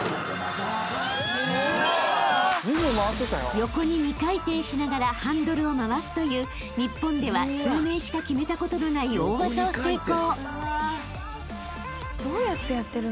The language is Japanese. ［横に２回転しながらハンドルを回すという日本では数名しか決めたことのない大技を成功］